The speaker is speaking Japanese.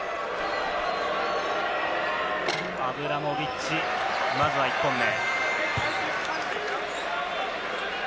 アブラモビッチ、まずは１本目。